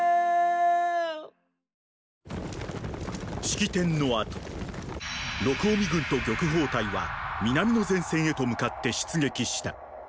式典の後録嗚未軍と玉鳳隊は南の前線へと向かって出撃した。